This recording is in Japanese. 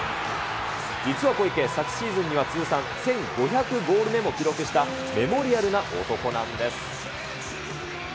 実は小池、昨シーズンには通算１５００ゴール目も記録したメモリアルな男なんです。